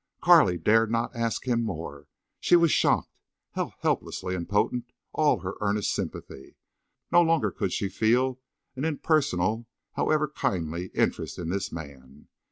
Carley dared not ask him more. She was shocked. How helplessly impotent all her earnest sympathy! No longer could she feel an impersonal, however kindly, interest in this man.